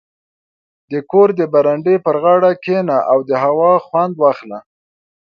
• د کور د برنډې پر غاړه کښېنه او د هوا خوند واخله.